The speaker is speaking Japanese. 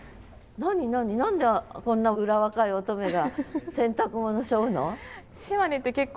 何でこんなうら若い乙女が洗濯物背負うの？